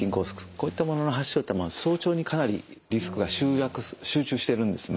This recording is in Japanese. こういったものの発症というのは早朝にかなりリスクが集中しているんですね。